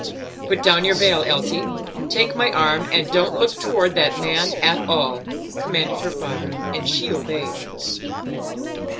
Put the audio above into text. "Put down your veil, Elsie; take my arm; and don't look toward that man at all," commanded her father, and she obeyed.